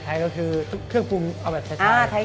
ไทยก็คือเครื่องปรุงเอาแบบชัด